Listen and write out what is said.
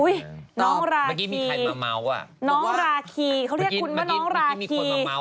อุ๊ยน้องราคีเขาเรียกคุณว่าน้องราคี